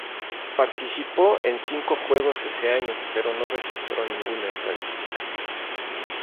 Participó en cinco juegos ese año pero no registró ninguna estadística.